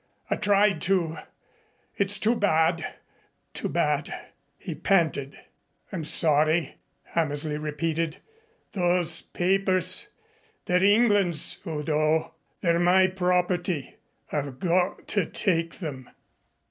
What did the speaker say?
I tried to. It's too bad too bad," he panted. "I'm sorry," Hammersley repeated. "Those papers they're England's, Udo. They're my property. I've got to take them."